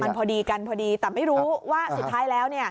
มันพอดีกันพอดีแต่ไม่รู้ว่าสุดท้ายแล้ว